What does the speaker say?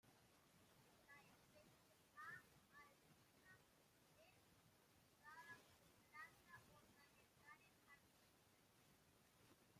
La especie "A. alpina", es cultivada como planta ornamental en jardines.